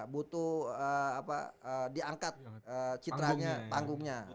butuh diangkat citranya panggungnya